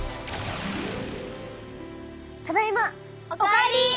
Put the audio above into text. ただいま！お帰り！